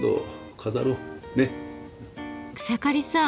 草刈さん